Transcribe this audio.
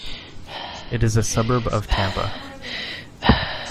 It is a suburb of Tampa.